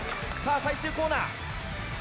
さあ、最終コーナー。